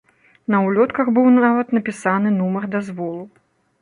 На улётках быў нават напісаны нумар дазволу.